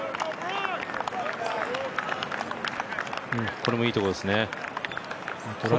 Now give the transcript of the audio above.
これもいいところですね。